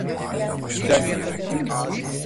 Güzel bir yere.